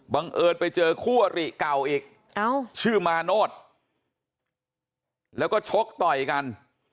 เอิญไปเจอคู่อริเก่าอีกชื่อมาโนธแล้วก็ชกต่อยกัน